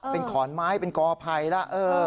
เป็นขอนไม้เป็นก่อไผ่ละ